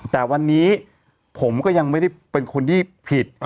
แต่วันนี้ผมก็ยังไม่ได้เป็นคนที่ผิด